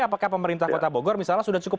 apakah pemerintah kota bogor misalnya sudah cukup